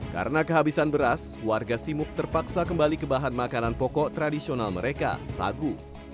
karena kehabisan beras warga simuk terpaksa kembali ke bahan makanan pokok tradisional mereka sagu